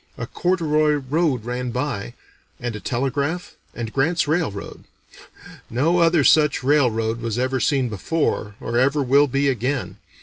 A corduroy road ran by, and a telegraph, and Grant's railroad. No other such railroad was ever seen before, or ever will be again.